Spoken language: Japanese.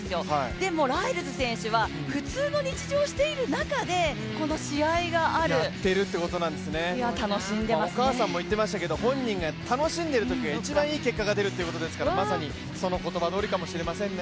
でも、ライルズ選手は普通の日常をしている中でこの試合がある、お母さんも言っていましたけれども本人が楽しんでいるときが一番いい結果が出ると言っていましたからまさにその言葉どおりかもしれませんね。